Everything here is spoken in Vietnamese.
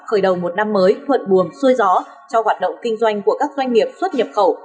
khởi đầu một năm mới thuận buồm xuôi gió cho hoạt động kinh doanh của các doanh nghiệp xuất nhập khẩu